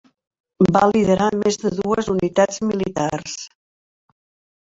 Va liderar més de dues unitats militars.